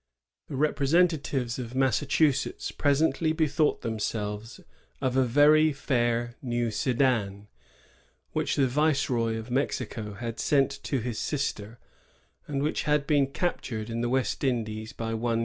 The representatives of Massachi^etts pres ently bethought themselves of a ^Wery fair new sedan " which the Viceroy of Mexico had sent to his sister, and which had been captured in the West Indies by one.